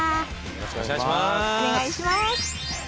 よろしくお願いします。